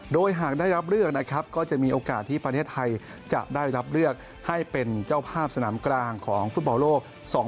โดยหากได้รับเลือกนะครับก็จะมีโอกาสที่ประเทศไทยจะได้รับเลือกให้เป็นเจ้าภาพสนามกลางของฟุตบอลโลก๒๐